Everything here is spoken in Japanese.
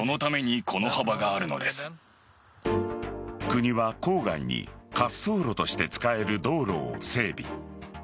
国は郊外に滑走路として使える道路を整備。